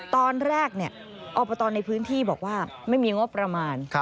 ตอนแรกอบตในพื้นที่บอกว่าไม่มีงบประมาณ